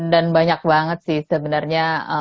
dan banyak banget sih sebenarnya